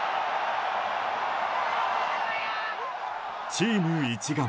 チーム一丸。